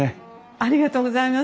ありがとうございます。